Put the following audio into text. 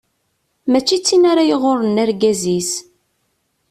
Mačči d tin ara iɣurren argaz-is.